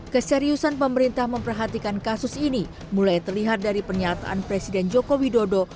keseriusan pemerintah memperhatikan kasus ini mulai terlihat dari pernyataan presiden joko widodo